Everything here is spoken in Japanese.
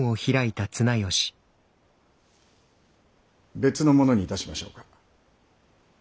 別のものにいたしましょうか。